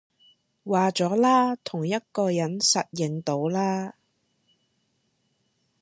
話咗啦，同一個人實認到啦